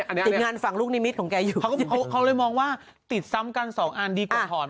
ติดงานฝั่งลูกนิมิตของแกอยู่เขาเลยมองว่าติดซ้ำกันสองอันดีกว่าถอน